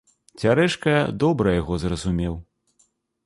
Цярэшка добра яго зразумеў.